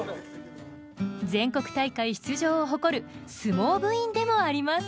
全国大会出場を誇る相撲部員でもあります。